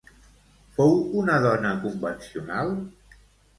Fou una dona convencional?